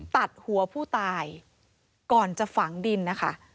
ตัดหัวผู้ตายก่อนจะฝังดินนะคะ